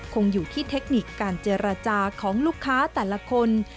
คงอยู่ที่เทคนิคการเจรจาของลูกค้าแต่ละคน